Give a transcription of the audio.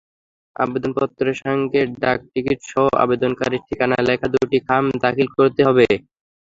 আবেদনপত্রের সঙ্গে ডাকটিকিটসহ আবেদনকারীর ঠিকানা লেখা দুটি খাম দাখিল করতে হবে।